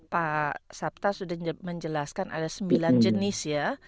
pak sabta sudah menjelaskan ada sembilan jenis ya